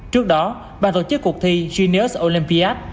trong cuộc thi genius olympiad